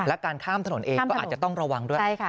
และการข้ามถนนเองก็อาจจะต้องระวังด้วย